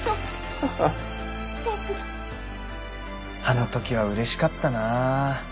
あの時はうれしかったな。